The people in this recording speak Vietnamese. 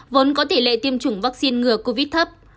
vốn có tỷ lệ tiêm chủng vaccine ngừa covid thấp